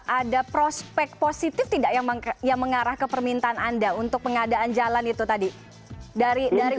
ada prospek positif tidak yang mengarah ke permintaan anda untuk pengadaan jalan itu tadi dari